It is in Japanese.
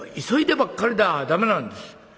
「急いでばっかりでは駄目なんです。